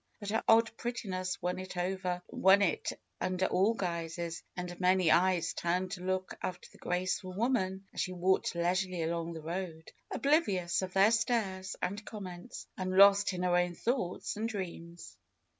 But her odd prettiness won it under all guises, and many eyes turned to look after the graceful woman as she walked leisurely along the road, oblivious of their stares and comments, and lost in her own thoughts and dreams.